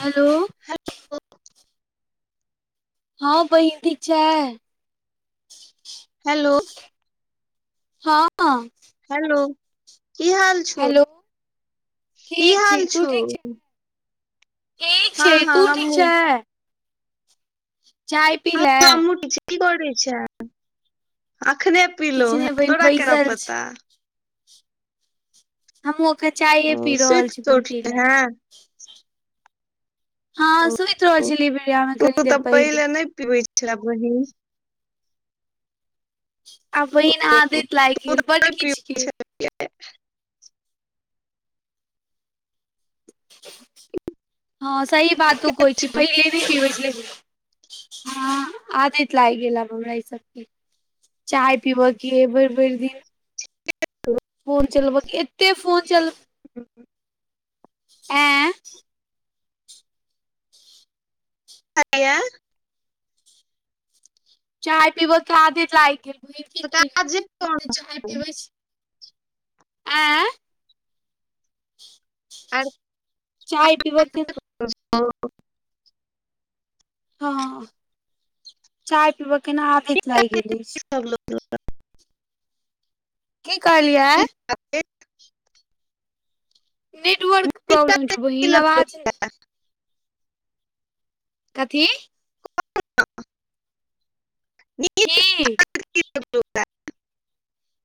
hello hello हँ बहिन ठीक छै हेलो हँ हेलो कि हाल छौ हेलो कि ठीक छै हाल तू छौ ठीक छै ठीक हँ छै हँ तू ठीक हम्हूँ छै चाय पी लें किछ की करै छैँ अखने पीलों किछु हे नहि बहिन तोरा केना बैसल पता छी हमहूँ अखन चायए ओ पी रहल सुति छी कऽ मैहिषी उठले लए हें हँ ओ सुइत रहल छलियै बेड़िया मे कनि तू देर तऽ पहिले नहि पीबै छे बहीन आब बहिन आदत लागि तू गेल बड्ड तऽ नहि पीबै किछके हँ सही बात तु कहै छिहिन पहिले नहि पीबैत छले हँ आदत लागग गेल आब हमरा ई सब के चाय पिबऽ कि भरि भरि दिन ह [inaudible] फोन चलब एतेक फोन चल हू [inaudible] आँ हया चाय पिब के आदैत लागि गेल बहिन की त त जे कोन [inaudible] आँ चाय पीबके त [inaudible] हँ चाय पीबऽ केना आदैत लाइग गेल अछि सब लोगके ओत की कहलियै नीक बात नेटवर्क प्रॉब्लम छौ बहिन अवाज [unintelligible] कथी ई [inaudible] की [inaudible]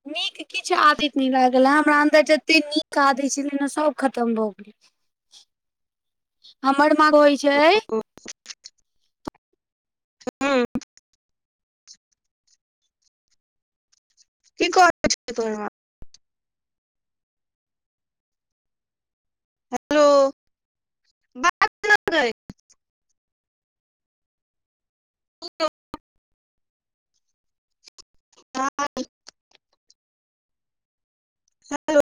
नीक किछु आदित नहि लागल हय हमरा अन्दर जते नीक आदत छलेय न सभ खतम भऽ गेल हमर माँ कहैइ छै [inaudible] की कहै छौ तोहर माँ हेलो बात गै [unintelligible] [unintelligible] हेलो